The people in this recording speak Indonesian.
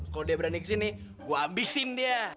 kalau dia berani kesini gue habisin dia